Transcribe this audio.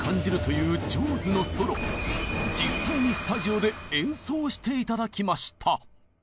実際にスタジオで演奏して頂きました。